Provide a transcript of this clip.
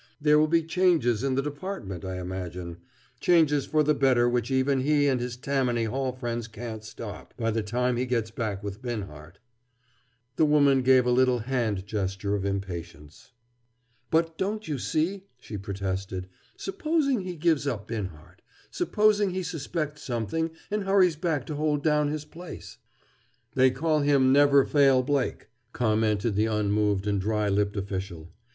There will be changes in the Department, I imagine; changes for the better which even he and his Tammany Hall friends can't stop, by the time he gets back with Binhart." The woman gave a little hand gesture of impatience. "But don't you see," she protested, "supposing he gives up Binhart? Supposing he suspects something and hurries back to hold down his place?" "They call him Never Fail Blake," commented the unmoved and dry lipped official.